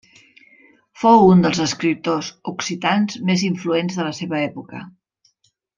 Fou un dels escriptors occitans més influents de la seva època.